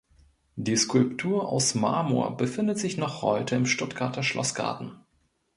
Die Skulptur aus Marmor befindet sich noch heute im Stuttgarter Schlossgarten.